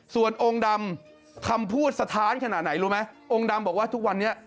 ส่วนองค์ดำคำพูดสะท้านขนาดไหนรู้ไหมองค์ดำบอกว่าทุกวันนี้